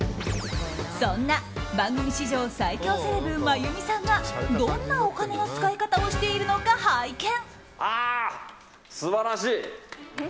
そんな番組史上最強セレブ真弓さんがどんなお金の使い方をしているのか拝見。